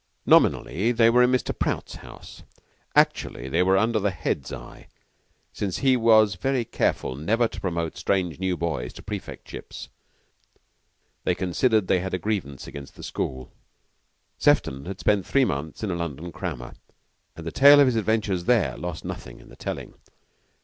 Nominally they were in Mr. Prout's house; actually they were under the Head's eye; and since he was very careful never to promote strange new boys to prefectships, they considered they had a grievance against the school. Sefton had spent three months with a London crammer, and the tale of his adventures there lost nothing in the telling.